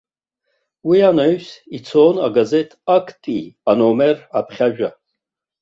Уи анаҩс ицон агазеҭ актәи аномер аԥхьажәа.